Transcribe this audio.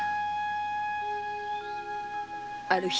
ある日